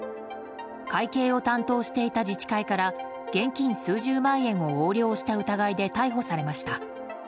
会計を担当していた自治体から現金数十万円を横領した疑いで逮捕されました。